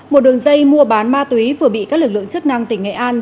một đường dây mua bán ma túy vừa bị các lực lượng chức năng tỉnh nghệ an